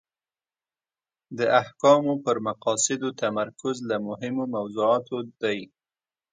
د احکامو پر مقاصدو تمرکز له مهمو موضوعاتو ده.